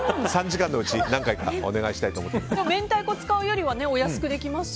３時間のうち何回かお願いしたいと思ってます。